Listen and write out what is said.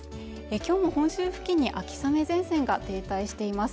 今日も本州付近に秋雨前線が停滞しています